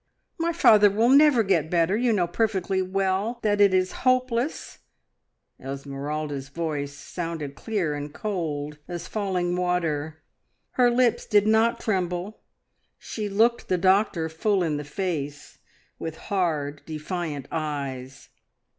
My father will never get better. You know perfectly well that it is hopeless!" Esmeralda's voice sounded clear and cold as falling water; her lips did not tremble, she looked the doctor full in the face with hard, defiant eyes.